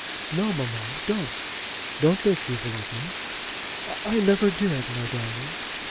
"No, mamma; don't. Don't think evil of me." "I never did, my darling."